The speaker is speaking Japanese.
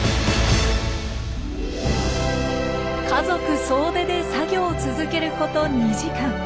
家族総出で作業を続けること２時間。